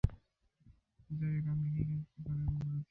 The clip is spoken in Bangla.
যাইহোক, আপনি কী কাজ করেন বলেছিলেন?